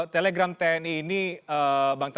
telegram tni ini bang